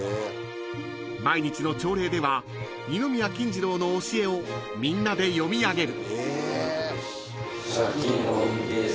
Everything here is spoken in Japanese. ［毎日の朝礼では二宮金次郎の教えをみんなで読み上げる］